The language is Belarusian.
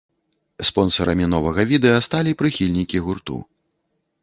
Спонсарамі новага відэа сталі прыхільнікі гурту.